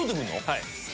はい。